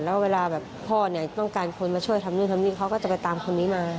แล้วเวลาแบบพ่อเนี่ยต้องการคนมาช่วยทำนู่นทำนี่เขาก็จะไปตามคนนี้มา